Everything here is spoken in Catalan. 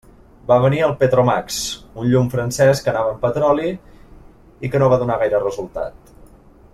Va venir el Petromax, un llum francès que anava amb petroli i que no va donar gaire resultat.